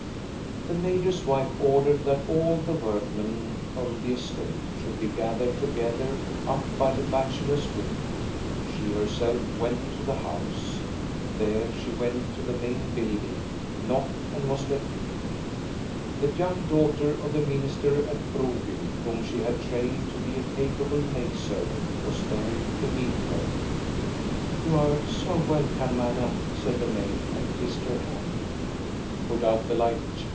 The major's wife ordered that all the workmen on the estate should be gathered together up by the bachelors' wing; she herself went to the house. There she went to the main building, knocked, and was let in. The young daughter of the minister at 1 J THE OLD VEHICLES m Broby, whom she had trained to be a capable maid servant, was there to meet her. "You are so welcome, madame," said the maid, and kissed her hand. " Put out the light